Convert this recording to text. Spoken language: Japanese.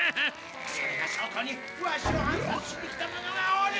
それがしょうこにワシを暗さつしに来た者がおる！